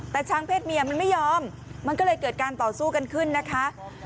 แต่ช้างเพศเมียมันไม่ยอมมันก็เลยเกิดการต่อสู้กันขึ้นนะคะ